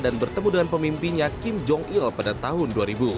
dan bertemu dengan pemimpinnya kim jong il pada tahun dua ribu